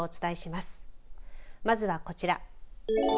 まずはこちら。